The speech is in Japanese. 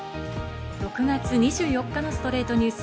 ６月２４日の『ストレイトニュース』。